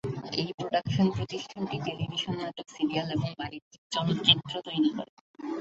এই প্রোডাকশন প্রতিষ্ঠানটি টেলিভিশন নাটক সিরিয়াল এবং বাণিজ্যিক চলচ্চিত্র তৈরি করে।